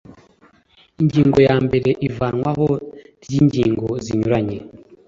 ingingo ya mbere ivanwaho ry ingingo zinyuranye